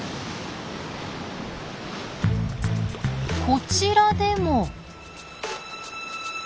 こちらでも。